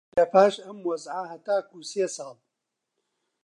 لەپاش ئەم وەزعە هەتاکوو سێ ساڵ